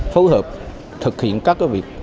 phối hợp thực hiện các việc